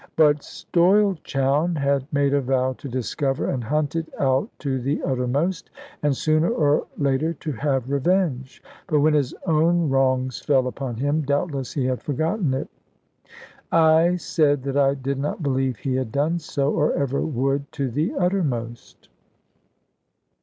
But Stoyle Chowne had made a vow to discover and hunt it out to the uttermost, and sooner or later to have revenge. But when his own wrongs fell upon him, doubtless he had forgotten it. I said that I did not believe he had done so, or ever would, to the uttermost.